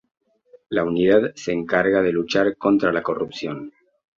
La unidad se encarga de luchar contra la corrupción.